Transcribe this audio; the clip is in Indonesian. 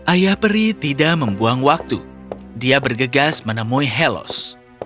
ayah peri tidak membuang waktu dia bergegas menemui helos